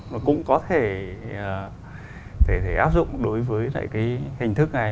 nó cũng có thể áp dụng đối với lại cái hình thức này